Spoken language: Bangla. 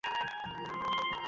কার জন্য লিখেছিলেন আপনি এই গান?